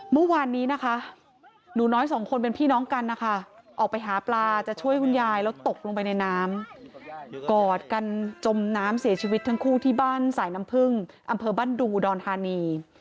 เมื่อวานนี้นะคะหนูน้อยสองคนเป็นพี่น้องกันนะคะออกไปหาปลาจะช่วยคุณยายแล้วตกลงไปในน้ำกอดกันจมน้ำเสียชีวิตทั้งคู่ที่บ้านสายน้ำพึ่งอำเภอบ้านดูอุดรธานี